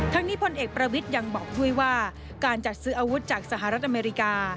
นี้พลเอกประวิทย์ยังบอกด้วยว่าการจัดซื้ออาวุธจากสหรัฐอเมริกา